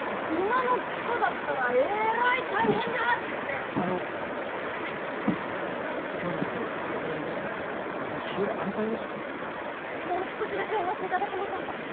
「馬の糞だったらエライ大変だ」って言ってあのはい今日のところはこれぐらいにしてまた日を改めましょうもう少しだけお待ちいただけませんか？